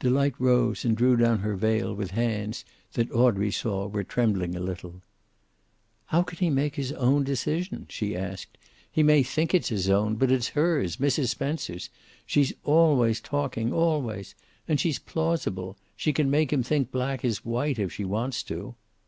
Delight rose and drew down her veil with hands that Audrey saw were trembling a little. "How can he make his own decision?" she asked. "He may think it's his own, but it's hers, Mrs. Spencer's. She's always talking, always. And she's plausible. She can make him think black is white, if she wants to."